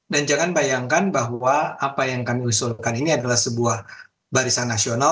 dan jangan bayangkan bahwa apa yang kami usulkan ini adalah sebuah barisan nasional